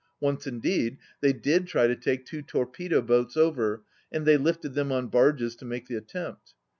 Once, indeed, they did try to take two torpedo boats over, and they lifted them on barges to make the attempt.